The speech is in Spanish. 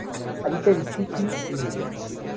Habita en Sikkim, India.